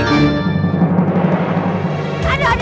aduh aduh aduh